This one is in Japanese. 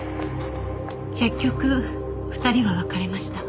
結局２人は別れました。